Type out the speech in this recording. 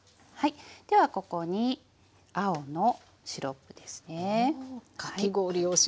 ではここに青のシロップですね。